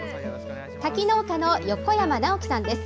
花き農家の横山直樹さんです。